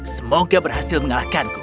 semoga berhasil mengalahkanku